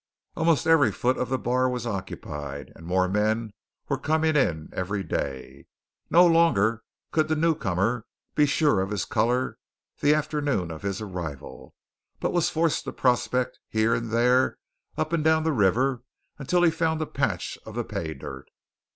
Almost every foot of the bar was occupied, and more men were coming in every day. No longer could the newcomer be sure of his colour the afternoon of his arrival; but was forced to prospect here and there up and down the river until he found a patch of the pay dirt.